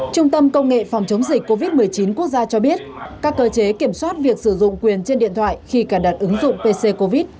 trung tâm công nghệ phòng chống dịch covid một mươi chín quốc gia cho biết các cơ chế kiểm soát việc sử dụng quyền trên điện thoại khi cài đặt ứng dụng pc covid